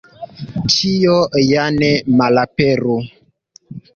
Ĉio ja ne malaperu.